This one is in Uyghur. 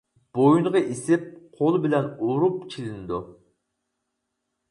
بويۇنغا ئېسىپ، قول بىلەن ئۇرۇپ چېلىنىدۇ.